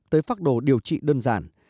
tiếp tới phác đồ điều trị đơn giản